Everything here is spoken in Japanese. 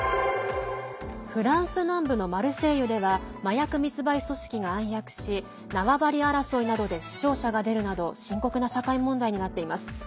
フランス南部のマルセイユでは麻薬密売組織が暗躍し縄張り争いなどで死傷者が出るなど深刻な社会問題になっています。